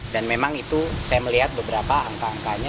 dan memang itu saya melihat beberapa angka angkanya